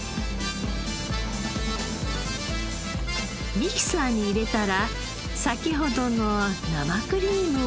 ミキサーに入れたら先ほどの生クリームを合わせて。